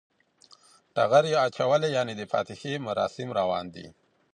ټغر یی اچولی یعنی د فاتحی مراسم روان دی